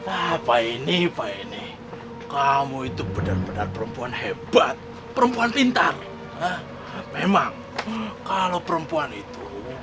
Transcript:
apa ini pak ini kamu itu benar benar perempuan hebat perempuan pintar memang kalau perempuan itu